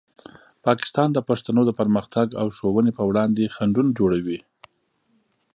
پاکستان د پښتنو د پرمختګ او ښوونې په وړاندې خنډونه جوړوي.